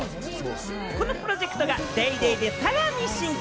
このプロジェクトが『ＤａｙＤａｙ．』でさらに進化！